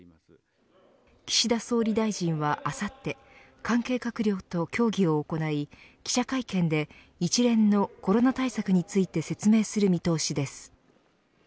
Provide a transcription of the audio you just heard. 岸田総理大臣はあさって関係閣僚と協議を行い記者会見で一連のコロナ対策について説明する見通しです。